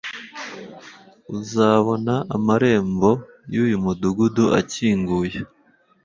uzabona amarembo yuyu mudugudu akinguye